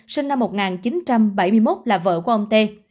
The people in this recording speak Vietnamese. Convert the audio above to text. sinh năm một nghìn chín trăm bảy mươi một là vợ của ông tê